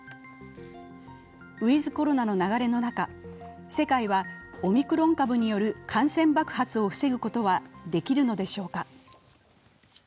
ウィズ・コロナの流れの中、世界はオミクロン株による感染爆発を防ぐことはできるのでしょうか？